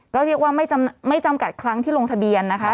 ก็เรียกว่าไม่จำกัดครั้งที่ลงทะเบียนนะคะ